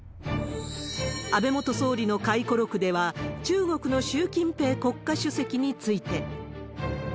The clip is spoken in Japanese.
安倍元総理の回顧録では、中国の習近平国家主席について。